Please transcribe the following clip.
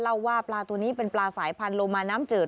เล่าว่าปลาตัวนี้เป็นปลาสายพันธุโลมาน้ำจืด